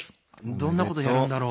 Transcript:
どんなことやるんだろう？